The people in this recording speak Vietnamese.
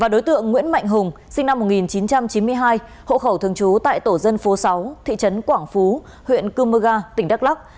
đối tượng nguyễn mạnh hùng sinh năm một nghìn chín trăm chín mươi hai hộ khẩu thường trú tại tổ dân phố sáu thị trấn quảng phú huyện cư mơ ga tỉnh đắk lắc